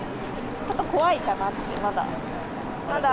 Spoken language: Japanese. ちょっと怖いかなって、まだ。